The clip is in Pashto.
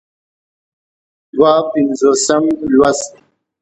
دوه پينځوسم لوست